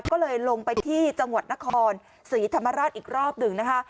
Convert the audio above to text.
ก็เลยลงไปที่จังหวัดนครศรีธรรมราชอีกรอบหนึ่งนะคะ